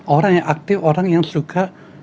orang yang aktif orang yang suka